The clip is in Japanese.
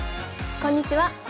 こんにちは。